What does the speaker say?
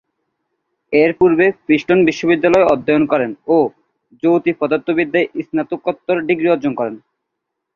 এরপূর্বে প্রিন্সটন বিশ্ববিদ্যালয়ে অধ্যয়ন করেন ও জ্যোতিপদার্থবিদ্যায় স্নাতকোত্তর ডিগ্রী অর্জন করেন।